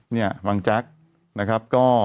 เนี่ยบางแจ๊กนะครับก็